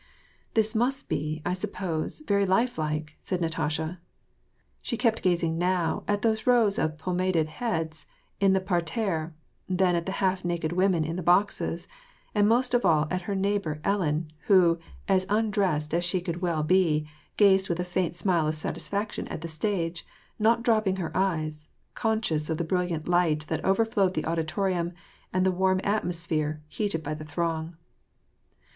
" This must be, I suppose, very life like," said Natasha. She kept gazing now at those rows of pomaded heads in the par terre, then at the half naked women in the boxes, and most of all at her neighbor Ellen, who, as undressed as she could well be, gazed with a faint smile of satisfaction at the stage, not dropping her eyes, conscious of the brilliant light that over flowed the auditorium, and the warm atmosphere, heated by the throng.